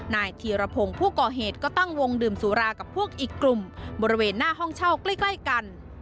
นายธีรพงศ์ผู้ก่อเหตุก็ตั้งวงดื่มสุรากับพวกอีกกลุ่มบริเวณหน้าห้องเช่าใกล้กัน